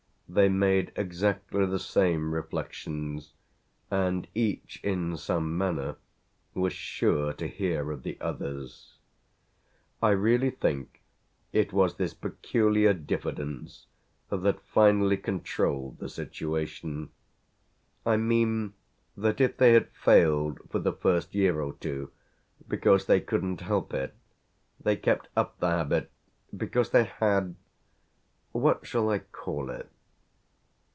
They made exactly the same reflections, and each in some manner was sure to hear of the other's. I really think it was this peculiar diffidence that finally controlled the situation. I mean that if they had failed for the first year or two because they couldn't help it they kept up the habit because they had what shall I call it?